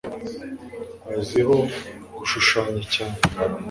Azwiho gushushanya cyane